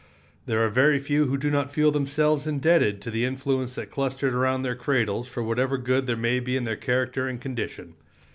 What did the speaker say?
There are very few who do not feel themselves indebted to the influence that clustered around their cradles for whatever good there may be in their character and condition.